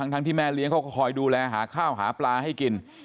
ทั้งที่แม่เลี้ยงเขาก็คอยดูแลหาข้าวหาปลาให้กิน